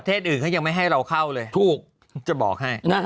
อื่นเขายังไม่ให้เราเข้าเลยถูกจะบอกให้